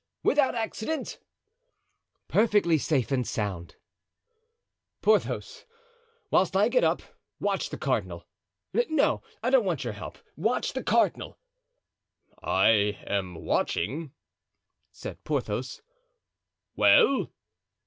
"Without accident?" "Perfectly safe and sound." "Porthos, whilst I get up, watch the cardinal. No, I don't want your help, watch the cardinal." "I am watching," said Porthos. "Well?"